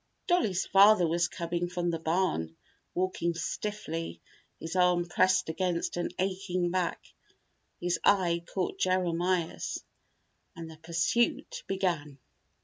Dollie's father was coming from the barn, walking stiffly, his arm pressed against an aching back. His eye caught Jeremiah's and the pursuit began.